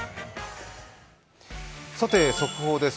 速報です。